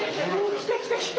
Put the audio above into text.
来た来た来た。